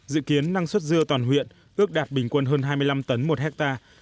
dự kiến năng suất dưa toàn huyện ước đạt bình quân hơn hai mươi năm tấn một hectare